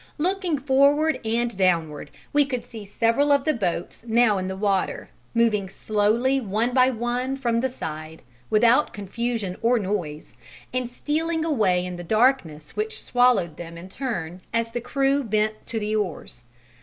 Looking forward and downward, we could see several of the boats now in the water, moving slowly one by one from the side, without confusion or noise, and stealing away in the darkness which swallowed them in turn as the crew bent to the oars.